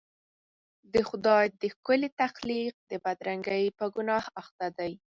د خدای د ښکلي تخلیق د بدرنګۍ په ګناه اخته دي.